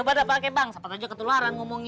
coba dapet kek bang sempat aja ke luar ngomongnya